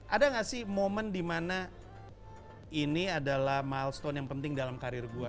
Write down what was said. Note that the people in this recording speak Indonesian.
ada gak sih momen dimana ini adalah milestone yang penting dalam karir gue